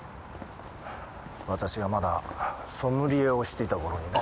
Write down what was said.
私がまだソムリエをしていた頃にね。